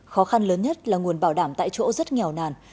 khó khăn lớn nhất là nguồn bảo đảm tại chỗ rất nghèo nàn